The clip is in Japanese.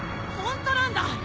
ホントなんだ。